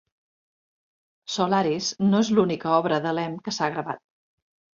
"Solaris" no és l'única obra de Lem que s'ha gravat.